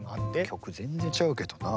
曲全然違うけどな。